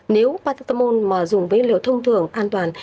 nếu paracetamol mà dùng với liều thông thường an toàn